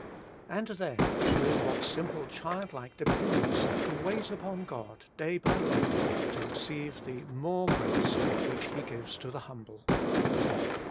And then, with what simple childlike dependence to wait upon God day by day to receive the more grace which He gives to the humble.